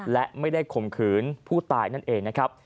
และไม่ได้ข่มขืนผู้ตายนั่นเองนะครับ